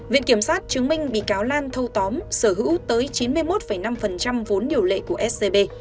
viện kiểm sát chứng minh bị cáo lan thâu tóm sở hữu tới chín mươi một năm vốn điều lệ của scb